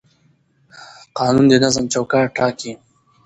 قانون د نظم چوکاټ ټاکي